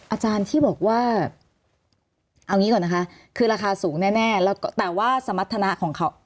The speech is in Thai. อาจารย์ที่บอกว่าเอางี้ก่อนนะคะคือราคาสูงแน่แล้วแต่ว่าสมรรถนะของเขา